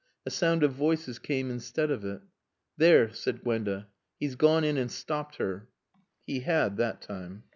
A sound of voices came instead of it. "There," said Gwenda. "He's gone in and stopped her." He had, that time.